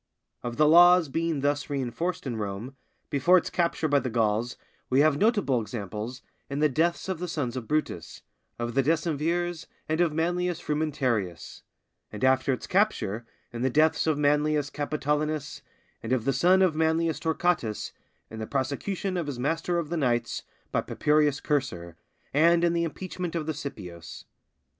Of the laws being thus reinforced in Rome, before its capture by the Gauls, we have notable examples in the deaths of the sons of Brutus, of the Decemvirs, and of Manlius Frumentarius; and after its capture, in the deaths of Manlius Capitolinus, and of the son of Manlius Torquatus in the prosecution of his master of the knights by Papirius Cursor, and in the impeachment of the Scipios.